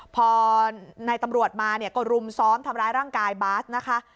พอนายตำรวจมาเนี่ยก็รุมซ้อมทำร้ายร่างกายบาสนะคะ